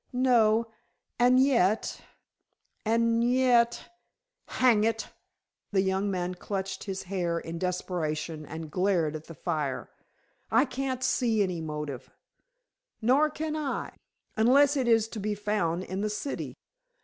"No. And yet and yet hang it," the young man clutched his hair in desperation and glared at the fire, "I can't see any motive." "Nor can I. Unless it is to be found in the City."